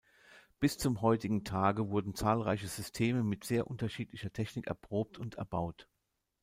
Bis zum heutigen Tage wurden zahlreiche Systeme mit sehr unterschiedlicher Technik erprobt und erbaut.